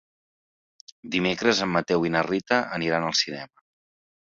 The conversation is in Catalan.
Dimecres en Mateu i na Rita aniran al cinema.